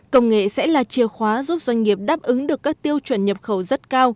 công nghệ sẽ là chìa khóa giúp doanh nghiệp đáp ứng được các tiêu chuẩn nhập khẩu rất cao